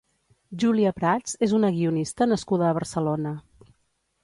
Júlia Prats és una guionista nascuda a Barcelona.